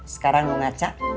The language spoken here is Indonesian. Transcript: sekarang lu ngaca